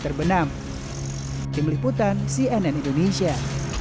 terbenam tim liputan cnn indonesia